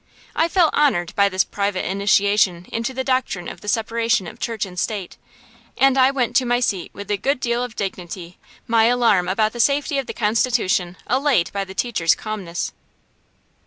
I felt honored by this private initiation into the doctrine of the separation of Church and State, and I went to my seat with a good deal of dignity, my alarm about the safety of the Constitution allayed by the teacher's calmness.